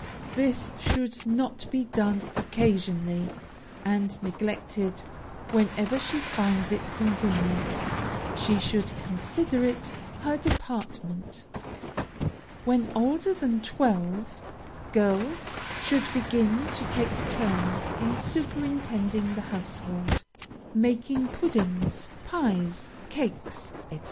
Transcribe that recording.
This should not be done occasionally, and neglected whenever she finds it convenient she should consider it her department. When older than twelve, girls should begin to take turns in superintending the household making puddings, pies, cakes, &c.